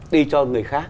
đi cho người khác